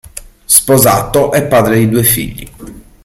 Sposato e padre di due figli.